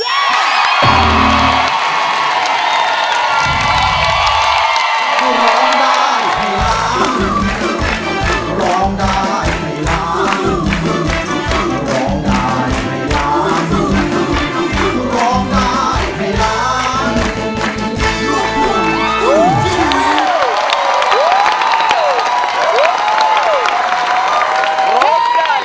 ได้ครับ